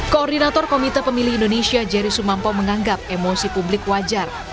koordinator komite pemilih indonesia jerry sumampo menganggap emosi publik wajar